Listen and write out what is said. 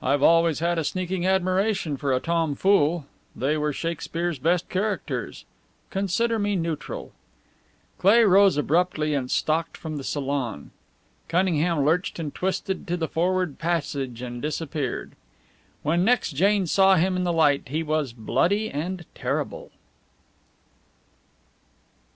I've always had a sneaking admiration for a tomfool. They were Shakespeare's best characters. Consider me neutral." Cleigh rose abruptly and stalked from the salon. Cunningham lurched and twisted to the forward passage and disappeared. When next Jane saw him in the light he was bloody and terrible.